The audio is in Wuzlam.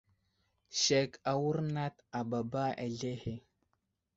Sek awurnat a baba aslehe.